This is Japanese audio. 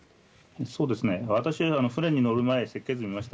私は船に乗る前に設計図を見ました。